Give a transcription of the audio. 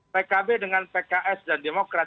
pkb dengan pks dan demokrat